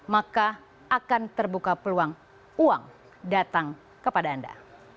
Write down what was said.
maka akan terbuka peluang uang datang kepada anda